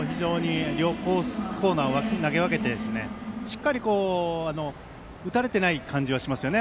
コーナーを投げ分けてしっかりと打たれてない感じがしますね。